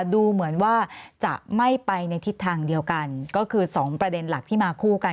ดูเหมือนว่าจะไม่ไปในทิศทางเดียวกันก็คือ๒ประเด็นหลักที่มาคู่กัน